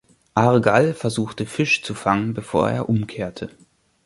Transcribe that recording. Argall versuchte Fisch zu fangen bevor er umkehrte.